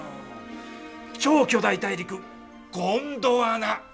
超巨大大陸ゴンドワナ！